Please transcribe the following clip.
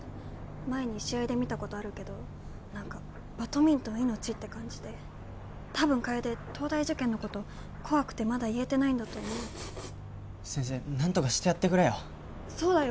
前に試合で見たことあるけど何かバドミントン命って感じでたぶん楓東大受験のこと怖くてまだ言えてないんだと思う先生何とかしてやってくれよそうだよ